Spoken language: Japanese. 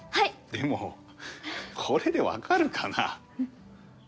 でもこれで分かるかなあ。